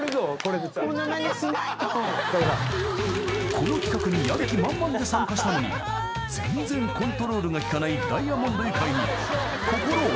［この企画にやる気満々で参加したのに全然コントロールが利かない］